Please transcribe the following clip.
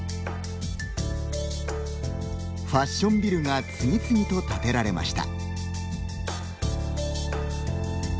ファッションビルが次々と建てられました。